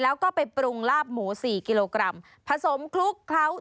ในประมาณแล้ว